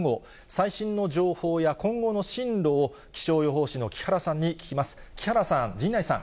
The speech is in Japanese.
最新の情報や今後の進路を、気象予報士の木原さんに聞きます。